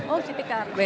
oh sini kak